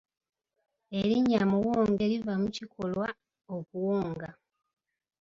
Erinnya Muwonge liva mu kikolwa okuwonga.